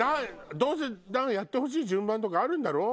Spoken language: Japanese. どうせやってほしい順番とかあるんだろ？